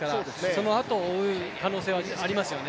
そのあとを追う可能性はありますよｈね。